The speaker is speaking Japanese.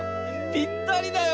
ぴったりだよ！